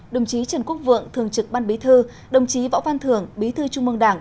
đồng chí trần quốc vượng thường trực ban bế thư đồng chí võ văn thưởng bế thư trung mương đảng